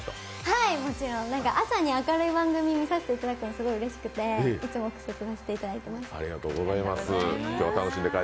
はい、もちろん、朝に明るい番組見させていただくのすごく楽しくていつも見させていただいています。